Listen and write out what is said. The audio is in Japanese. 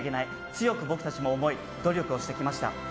強く僕たちも思い努力をしてきました。